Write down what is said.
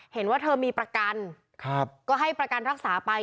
เห็นว่าเธอมีประกันก็ให้ประกันรักษาไป